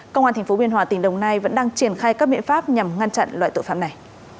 công an tp biên hòa tỉnh đồng nai vẫn đang triển khai các biện pháp nhằm ngăn chặn loại tội phạm này